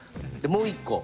もう一個。